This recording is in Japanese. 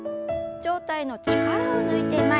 上体の力を抜いて前。